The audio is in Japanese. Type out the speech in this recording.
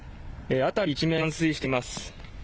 辺り一面冠水しています。